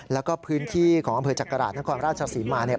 แล้วก็พื้นที่ของอำเภอจักราชนครราชศรีมาเนี่ย